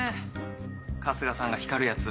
春日さんが光るやつ。